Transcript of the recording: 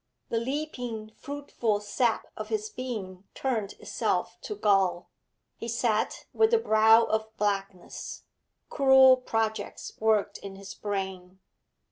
The leaping, fruitful sap of his being turned itself to gall. He sat with a brow of blackness; cruel projects worked in his brain.